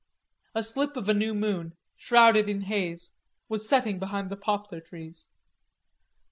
A slip of a new moon, shrouded in haze, was setting behind the poplar trees.